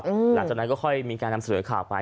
หลังจากนั้นก็ค่อยมีการนำเสนอข่าวไป